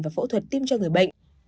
và phẫu thuật tim cho người bệnh